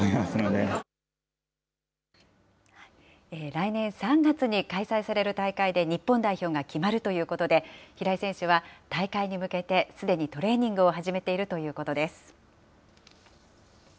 来年３月に開催される大会で日本代表が決まるということで、平井選手は大会に向けてすでにトレーニングを始めているということです。